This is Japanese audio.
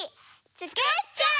つくっちゃおう！